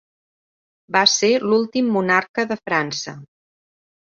Va ser l'últim monarca de França.